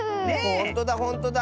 ほんとだほんとだ！